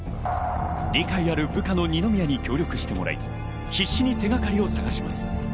理解ある部下の二宮に協力してもらい必死に手がかりを探します。